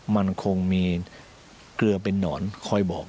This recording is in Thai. มันคงมีเกลือเป็นนอนคอยบอก